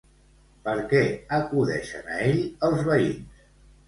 Per què acudeixen a ell els veïns?